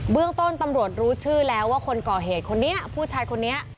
เรื่องต้นตำรวจรู้ชื่อแล้วว่าคนก่อเหตุคนนี้ผู้ชายคนนี้